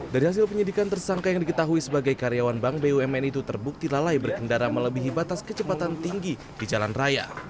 dari hasil penyidikan tersangka yang diketahui sebagai karyawan bank bumn itu terbukti lalai berkendara melebihi batas kecepatan tinggi di jalan raya